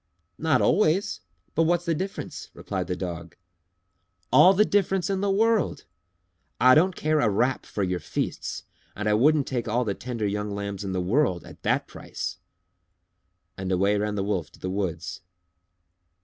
"Not always! But what's the difference?" replied the Dog. "All the difference in the world! I don't care a rap for your feasts and I wouldn't take all the tender young lambs in the world at that price." And away ran the Wolf to the woods.